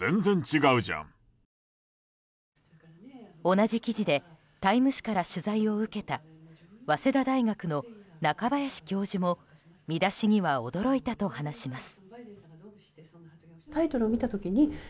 同じ記事で「タイム」誌から取材を受けた早稲田大学の中林教授も見出しには驚いたと話します。